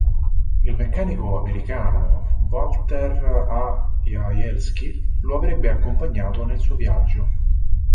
Il meccanico americano Walter A. Jawielski lo avrebbe accompagnato nel suo viaggio.